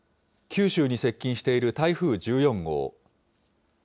九州に接近している台風１４号。